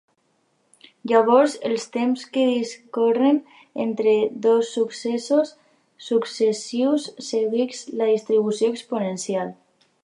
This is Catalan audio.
Llavors, els temps que discorren entre dos successos successius segueix la distribució exponencial.